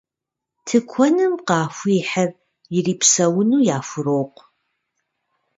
Тыкуэным къахуихьыр ирипсэуну яхурокъу.